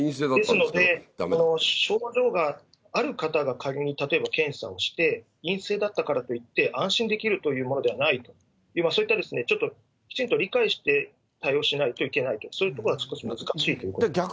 ですので症状がある方が仮に例えば検査をして、陰性だったからといって安心できるというものではない、そういった、ちょっと、きちんと理解して対応しないといけないと、そういうところは少し難しいということです。